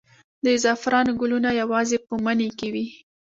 د زعفرانو ګلونه یوازې په مني کې وي؟